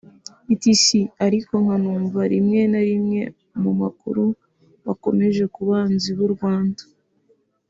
etc ariko nkanumva rimwe na rimwe mumakuru bakomoje kubanzi b’u Rwanda